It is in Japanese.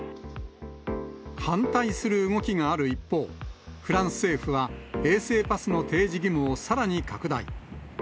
反対する動きがある一方、フランス政府は衛生パスの提示義務をさらに拡大。